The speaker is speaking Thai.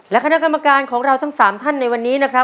และคณะกรรมการของเราทั้ง๓ท่านในวันนี้นะครับ